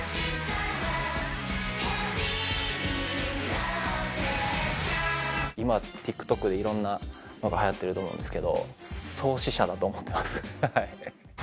＊ｔｋｉｎｇｚｓｈｏｊｉはＮＯＰＰＯ：今、ＴｉｋＴｏｋでいろんなのがはやってると思うんですけど創始者だと思ってます。